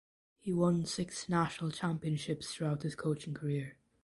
He won six national championships throughout his coaching career.